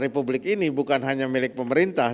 republik ini bukan hanya milik pemerintah